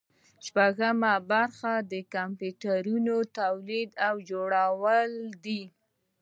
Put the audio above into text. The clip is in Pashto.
شپږمه برخه د کمپیوټرونو تولید او جوړول دي.